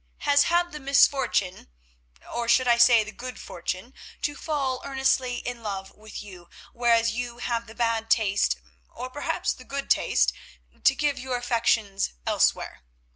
—has had the misfortune, or I should say the good fortune, to fall earnestly in love with you, whereas you have the bad taste—or, perhaps, the good taste—to give your affections elsewhere.